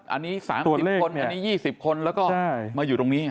อันนี้๓๐คนอันนี้๒๐คนแล้วก็มาอยู่ตรงนี้